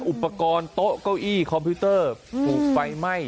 อุปกรณ์โต๊ะเก้าอี้คอมพิวเตอร์ถูกไฟไหม้